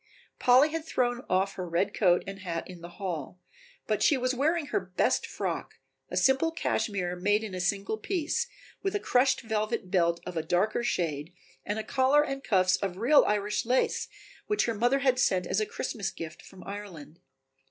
Polly had thrown off her red coat and hat in the hall, but she was wearing her best frock, a simple cashmere made in a single piece, with a crushed velvet belt of a darker shade and a collar and cuffs of real Irish lace which her mother had sent as a Christmas gift from Ireland.